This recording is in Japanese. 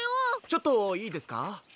ちょっといいですか？